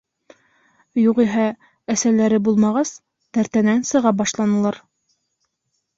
Юғиһә, әсәләре булмағас, тәртәнән сыға башланылар.